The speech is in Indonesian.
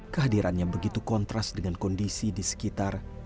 kehadirannya begitu kontras dengan kondisi di sekitar